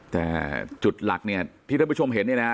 แต่จุดหลักที่ท่านผู้ชมเห็นนี่นะ